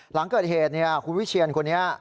หลังเกิดเหตุคุณวิเชียนคนนี้